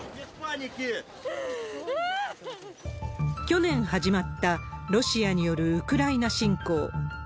去年始まったロシアによるウクライナ侵攻。